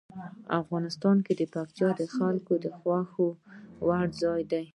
افغانستان کې پکتیا د خلکو د خوښې وړ ځای دی.